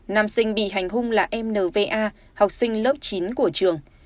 nam sinh bị hành hùng là em nva học sinh lớp chín của trường